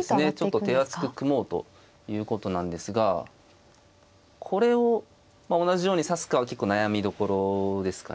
ちょっと手厚く組もうということなんですがこれを同じように指すかは結構悩みどころですかね。